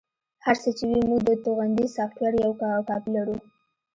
هر څه چې وي موږ د توغندي سافټویر یوه کاپي لرو